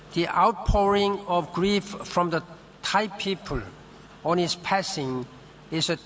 ที่เขาที่สูงตายจากคนไทยเป็นสัญญาณของพระเจ้า